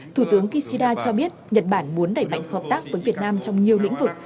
thủ tướng kishida cho biết nhật bản muốn đẩy mạnh hợp tác với việt nam trong nhiều lĩnh vực